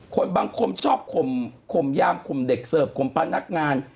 บางคนชอบข่มยามข่มเด็กเสิร์ฟข่มพนักงาน